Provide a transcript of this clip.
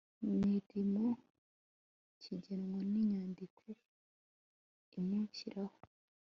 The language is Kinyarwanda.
mirimo kigenwa n inyandiko imushyiraho